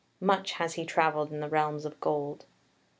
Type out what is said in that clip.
"Much has he travelled in the realms of gold."